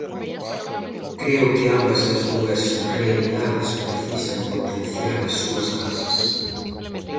Creo que ambas as dúas realidades precisan potenciar as súas bases.